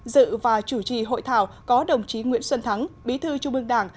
dự và chủ trì hội thảo có đồng chí nguyễn xuân thắng bí thư trung ương đảng